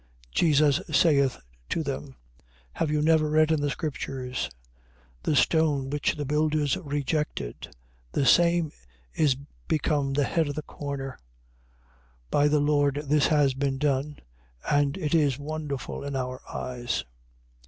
21:42. Jesus saith to them: Have you never read in the Scriptures: The stone which the builders rejected, the same is become the head of the corner? By the Lord this has been done; and it is wonderful in our eyes.